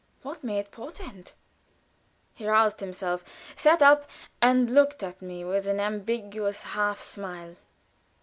What may it portend?" He roused himself, sat up, and looked at me with an ambiguous half smile.